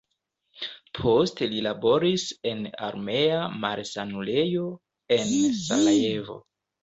Poste li laboris en armea malsanulejo en Sarajevo.